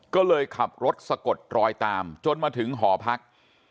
ก็เลยขับรถนี่รอยตามจนมาถึงหอพรรค